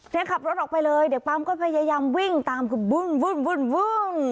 เนี่ยขับรถออกไปเลยเด็กปั๊มก็พยายามวิ่งตามคือบุ้งบุ้งบุ้งบุ้ง